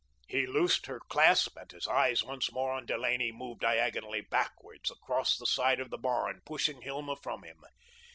He loosed her clasp and his eyes once more on Delaney, moved diagonally backwards toward the side of the barn, pushing Hilma from him.